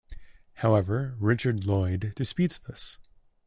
However, Richard Lloyd disputes this.